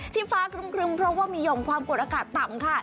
ฟ้าครึมเพราะว่ามีห่อมความกดอากาศต่ำค่ะ